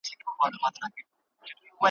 چي هر څو یې وو خپل عقل ځغلولی ,